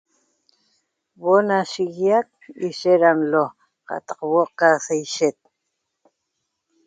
Huo'o na shiguiac ishet ra nlo qataq huo'o ca saishet